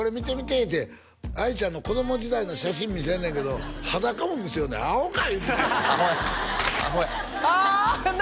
言うてあいちゃんの子供時代の写真見せんねんけど裸も見せよんねん「アホか！」言うてアホやああ何？